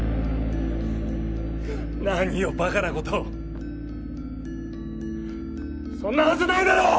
何をバカなことをそんなはずないだろう！